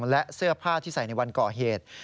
และเสื้อผ้าที่ใส่ในวันก่อเหตุ